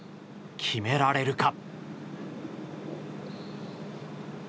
決められるか。